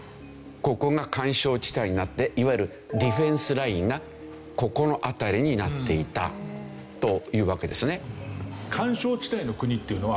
ここが緩衝地帯になっていわゆるディフェンスラインがここの辺りになっていたというわけですね。